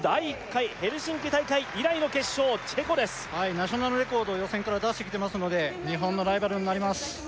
ナショナルレコード予選から出してきてますので日本のライバルになります